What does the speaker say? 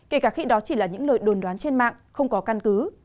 kể cả khi đó chỉ là những lời đồn đoán trên mạng không có căn cứ